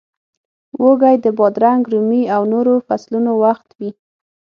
وږی د بادرنګ، رومي او نورو فصلونو وخت وي.